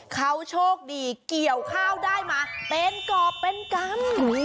เขาโชคดีเกี่ยวข้าวได้มาเป็นกรอบเป็นกรรม